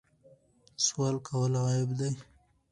سوال کول عیب دی.